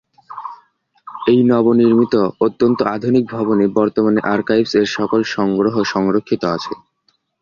এই নবনির্মিত অত্যন্ত আধুনিক ভবনে বর্তমানে আর্কাইভস এর সকল সংগ্রহ সংরক্ষিত আছে।